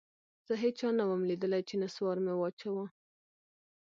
زه هېچا نه وم ليدلى چې نسوار مې واچاوه.